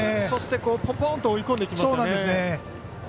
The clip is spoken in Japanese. そして、ポンポンと追い込んできますよね。